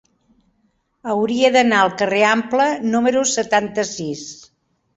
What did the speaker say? Hauria d'anar al carrer Ample número setanta-sis.